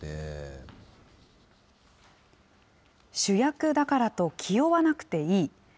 主役だからと気負わなくていい。